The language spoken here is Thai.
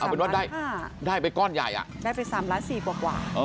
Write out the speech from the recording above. เอาเป็นว่าได้ได้ไปก้อนใหญ่อะโอให้๓ล้าน๔กว่า